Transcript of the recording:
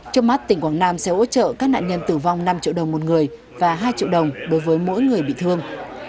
trong mắt tỉnh quảng nam sẽ hỗ trợ các nạn nhân tử vong năm triệu đồng một người và hai triệu đồng đối với mỗi người bị thương